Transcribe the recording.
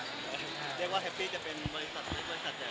เรียกว่าแฮปปี้จะเป็นบริษัทเล็กบริษัทใหญ่